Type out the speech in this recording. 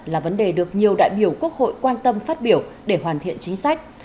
là vấn đề được nhiều đại biểu quốc hội quan tâm phát biểu để hoàn thiện chính sách